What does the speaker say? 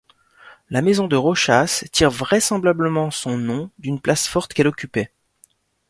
La maison de Rochas tire vraisemblablement son nom d'une place forte qu'elle occupait.